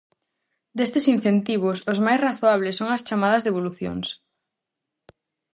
Destes incentivos, os máis razoables son as chamadas devolucións.